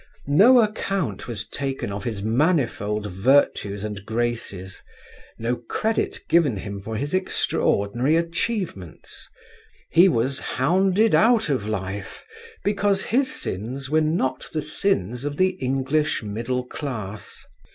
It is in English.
No account was taken of his manifold virtues and graces: no credit given him for his extraordinary achievements: he was hounded out of life because his sins were not the sins of the English middle class.